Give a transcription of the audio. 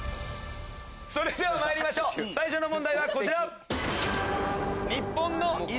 それではまいりましょう最初の問題はこちら。